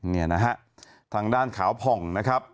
เนี่ยนะฮะทางด้านขาวผ่องนะครับ